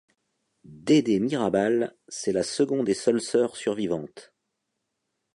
Dedé Mirabal c'est la seconde et seule sœur survivante.